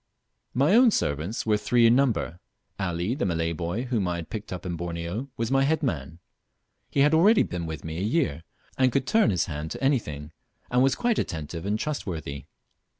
My own servants were three in number. Ali, the Malay boy whom I had picked up in Borneo, was my head man. He had already been with me a year, could turn his hand to anything, and was quite attentive and trustworthy.